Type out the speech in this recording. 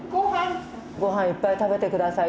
ごはんいっぱい食べて下さいって。